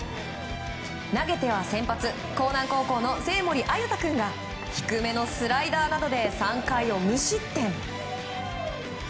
投げては先発興南高校の生盛亜勇太君が低めのスライダーなどで３回を無失点。